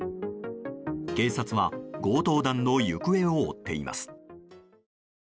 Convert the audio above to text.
警察は強盗団の行方を追っています。